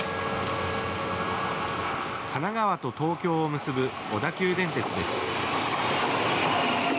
神奈川と東京を結ぶ小田急電鉄です。